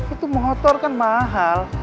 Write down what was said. itu motor kan mahal